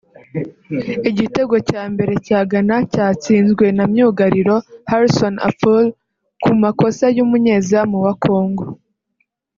Igitego cya mbere cya Ghana cyatsinzwe na myugariro Harrison Afful ku makosa y’umunyezamu wa Congo